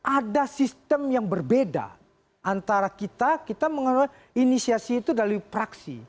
ada sistem yang berbeda antara kita kita mengenal inisiasi itu dari praksi